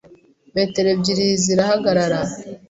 Metro ebyiri zirahagarara